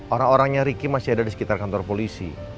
orang orangnya riki masih ada di sekitar kantor polisi